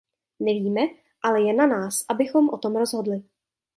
Nevíme, ale je na nás, abychom o tom rozhodli.